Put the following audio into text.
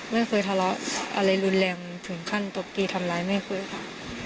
ไม่เคยทะเลาะอะไรรุนแรงถึงขั้นตบตีทำร้ายแม่คุยค่ะ